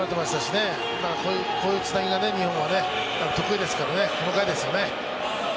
こういうつなぎは日本は得意ですからね、細かいですよね。